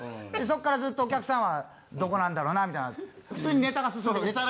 そっからずっとお客さんはどこなんだろうなみたいな普通にネタが進むんです。